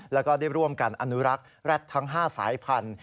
แล้วก็ได้ร่วมกันอนุรักษ์แร็ดทั้ง๕สายพันธุ